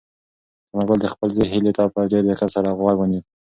ثمرګل د خپل زوی هیلو ته په ډېر دقت سره غوږ ونیو.